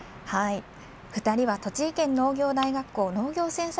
２人は栃木県農業大学校農業生産